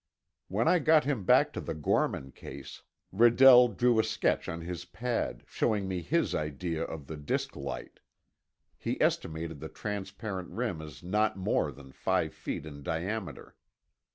When I got him back to the Gorman case, Redell drew a sketch on his pad, showing me his idea of the disk light. He estimated the transparent rim as not more than five feet in diameter.